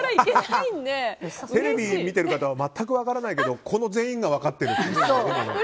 テレビを見ている方は全く分からないけどこの全員が分かってる。